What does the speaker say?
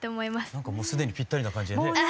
なんかもう既にぴったりな感じでね。